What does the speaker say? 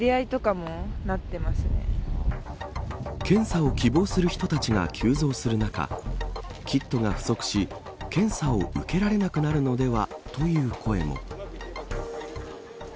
検査を希望する人たちが急増する中キットが不足し検査を受けられなくなるのではという声も。